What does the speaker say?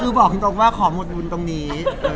คือบอกตรงว่าขอหมดบุญตรงนี้